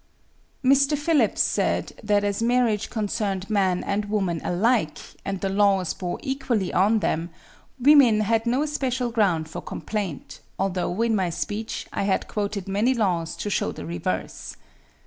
Mr. Phillips said that as marriage concerned man and woman alike, and the laws bore equally on them, women had no special ground for complaint, although, in my speech, I had quoted many laws to show the reverse.